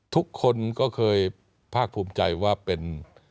ทุกคนก็เคยภาคภูมิใจว่าเป็น